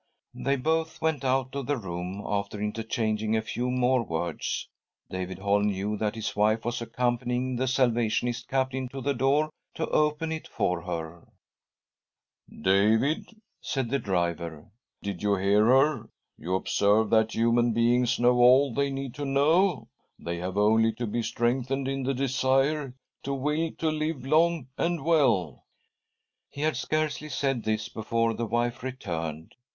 They both went out of the room after interchang ing a few more words. David Holm knew that his wife was accompanying the Salvationist Captain to the door to open it for her. I . MM* •.•■•.' 1 ■ T~ ;..••:—^....— J 172 THY SOUL SHALL BEAR WITNESS ! "David," said the driver, "did you hear her? You observe that human beings know all they need to know ? They have only to be strengthened in the desire, to will to live long and well." He had scarcely said this before the wife re turned.